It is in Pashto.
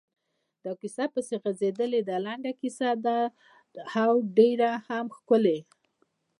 دا کیسه پسې غځېدلې ده، لنډه کیسه ده او ډېره هم ښکلې.